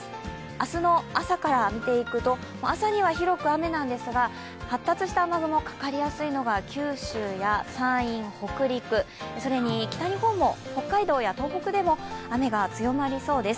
明日の朝から見ていくと朝には広く雨なんですが、発達した雨雲がかかりやすいのが九州や山陰、北陸、それに北日本も北海道や東北でも雨が強まりそうです。